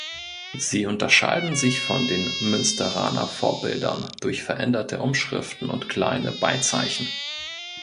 Sie unterscheiden sich von den münsteraner Vorbildern durch veränderte Umschriften und kleine Beizeichen.